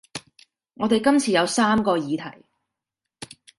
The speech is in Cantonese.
我哋今次有三個議題